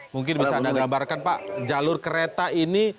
mungkin bisa anda gambarkan pak jalur kereta ini